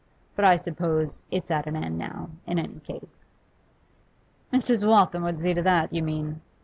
But I suppose it's at an end now, in any case.' 'Mrs. Waltham would see to that, you mean?